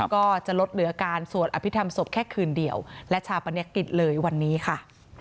ก็จะลดเหลือการสวดอภิษฐรรมศพแค่คืนเดียวและชาปนกิจเลยวันนี้ค่ะ